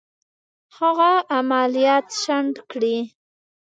هغه عملیات شنډ کړي.